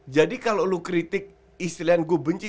jadi kalau lu kritik istilah yang gue benci